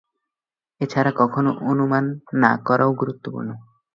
এছাড়া, কখনো অনুমান না করাও গুরুত্বপূর্ণ।